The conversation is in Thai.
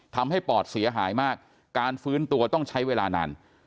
ปอดเสียหายมากการฟื้นตัวต้องใช้เวลานาน